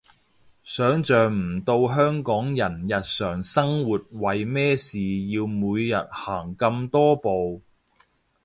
想像唔到香港人日常生活為咩事要每日行咁多步